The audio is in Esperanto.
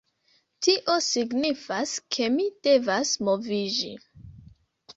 Tio signifas, ke mi devas moviĝi